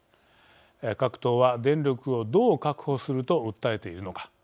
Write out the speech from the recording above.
各党は電力をどう確保すると訴えているのか。